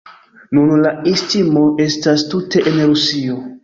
Nun la istmo estas tute en Rusio.